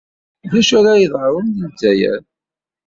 D acu ay la iḍerrun deg Lezzayer?